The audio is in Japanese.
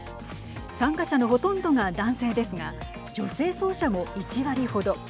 参加者のほとんどが男性ですが女性走者も１割ほど。